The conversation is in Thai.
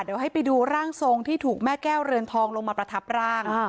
เดี๋ยวให้ไปดูร่างทรงที่ถูกแม่แก้วเรือนทองลงมาประทับร่าง